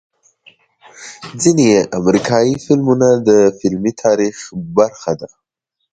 ځنې امريکني فلمونه د فلمي تاريخ برخه ده